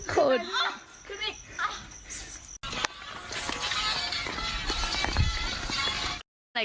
โคตรขึ้นไปอ่ะ